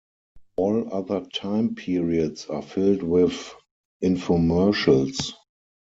All other time periods are filled with infomercials.